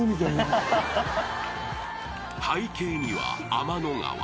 ［背景には天の川］